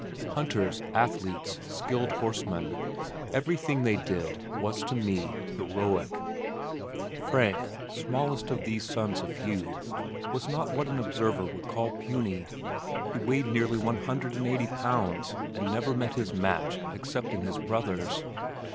Hunters, athletes, skilled horsemen everything they did was to me heroic. Frank, smallest of all these sons of Hugh, was not what an observer would call puny. He weighed nearly one hundred and eighty pounds and never met his match except in his brothers.